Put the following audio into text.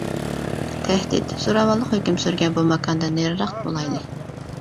تەھدىت، زوراۋانلىق ھۆكۈم سۈرگەن بۇ ماكاندىن نېرىراق بولايلى.